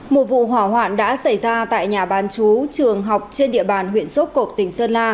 một vụ hỏa hoạn đã xảy ra tại nhà bán chú trường học trên địa bàn huyện sốp cộp tỉnh sơn la